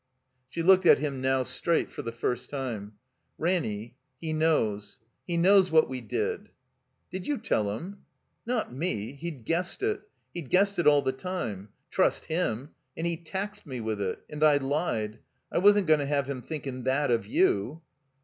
She looked at him now, straight, for the first time. "Ranny — he knows. He knows what we did." ''Did you tell him?" ''Not me! He'd guessed it. He'd guessed it all the time. Trust him. And he taxed me with it. And I Ued. I wasn't goin' to have him thinkin' thai of you."